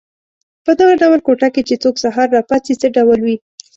په دغه ډول کوټه کې چې څوک سهار را پاڅي څه ډول وي.